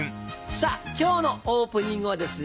さぁ今日のオープニングはですね